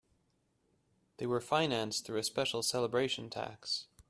They were financed through a special celebration tax.